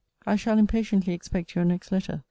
I shall impatiently expect your next letter.